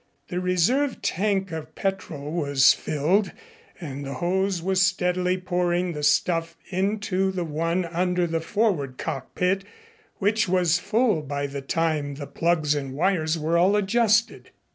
The reserve tank of petrol was filled and the hose was steadily pouring the stuff into the one under the forward cockpit, which was full by the time the plugs and wires were all adjusted.